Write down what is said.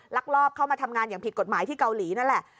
ลักลอบเข้ามาทำงานอย่างผิดกฎหมายที่เกาหลีนั่นแหละ